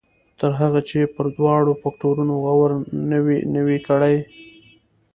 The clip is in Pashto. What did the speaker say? تر هغې چې پر دواړو فکټورنو غور نه وي کړی.